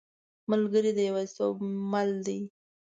ملګری د یوازیتوب مل دی.